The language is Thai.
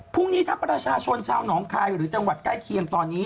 พรุ่งนี้ถ้าประชาชนชาวหนองคายหรือจังหวัดใกล้เคียงตอนนี้